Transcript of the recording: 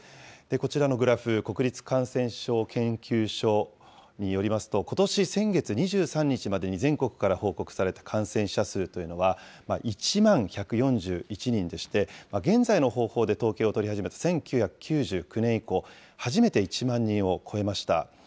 こちらのグラフ、国立感染症研究所によりますと、ことし先月２３日までに全国から報告された感染者数というのは、１万１４１人でして、現在の方法で統計を取り始めた１９９９年以降、初めて１万人を超えました。